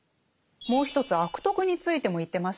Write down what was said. もう一つ「悪徳」についても言ってましたよね。